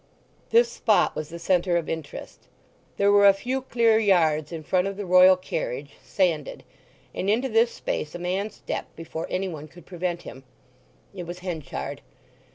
This spot was the centre of interest. There were a few clear yards in front of the Royal carriage, sanded; and into this space a man stepped before any one could prevent him. It was Henchard.